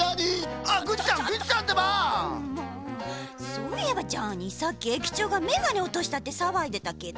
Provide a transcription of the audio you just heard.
そういえばジャーニーさっきえきちょうがメガネおとしたってさわいでたけど。